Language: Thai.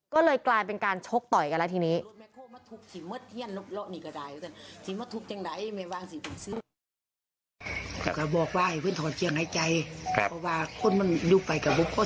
ก็เลยกลายเป็นการชกต่อยกันแล้วทีนี้